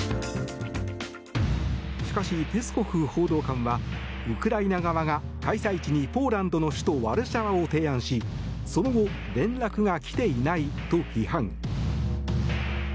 しかし、ペスコフ報道官はウクライナ側が開催地のポーランドの首都ワルシャワを提案しその後、連絡が来ていないと批判。